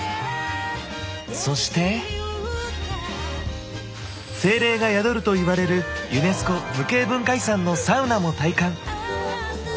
そして精霊が宿るといわれるユネスコ無形文化遺産のサウナも体感！